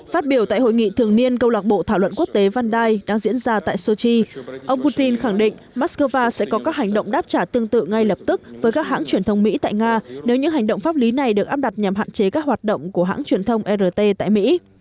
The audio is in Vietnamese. phát biểu tại hội nghị thường niên câu lạc bộ thảo luận quốc tế vandai đang diễn ra tại sochi ông putin khẳng định moscow sẽ có các hành động đáp trả tương tự ngay lập tức với các hãng truyền thông mỹ tại nga nếu những hành động pháp lý này được áp đặt nhằm hạn chế các hoạt động của hãng truyền thông rt tại mỹ